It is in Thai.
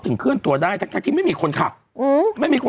คันนั้นต้องข้ามที่กล้ายไป